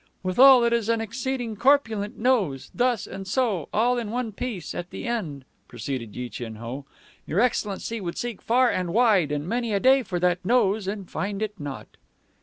"Withal it is an exceeding corpulent nose, thus, and so, all in one place, at the end," proceeded Yi Chin Ho. "Your excellency would seek far and wide and many a day for that nose and find it not."